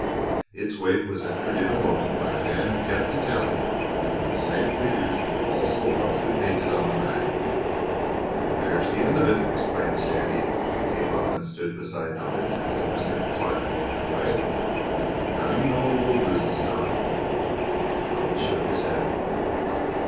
Its weight was entered in a book by a man who kept the tally and the same figures were also roughly painted on the bag. "And there's the end of it!" exclaimed Sandy, who came up and stood beside Donald as Mr. Clark walked away. "Now you know the wool business, Don!" Donald shook his head.